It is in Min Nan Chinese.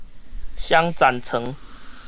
雙層床